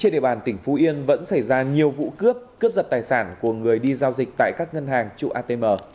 đề bàn tỉnh phú yên vẫn xảy ra nhiều vụ cướp cướp dập tài sản của người đi giao dịch tại các ngân hàng trụ atm